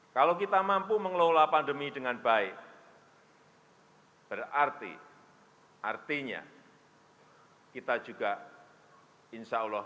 kalau kita mampu mengelola pandemi dengan baik berarti artinya kita juga insya allah